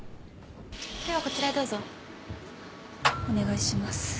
お願いします。